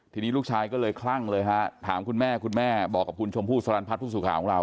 ทีนี้ลูกชายก็เลยคลั่งเลยฮะถามคุณแม่คุณแม่บอกกับคุณชมพู่สลันพัฒน์ผู้สื่อข่าวของเรา